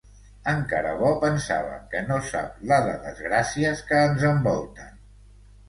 Encara bo, pensava, que no sap la de desgràcies que ens envolten.